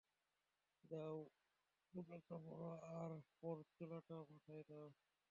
যাও, পোশাকটা পরো আর পরচুলাটা মাথায় দাও।